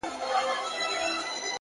هره هڅه نوی ځواک راویښوي،